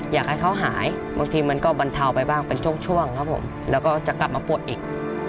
อยากให้เขาหายบางทีมันก็บรรเทาไปบ้างเป็นช่วงครับผมแล้วก็จะกลับมาปวดอีก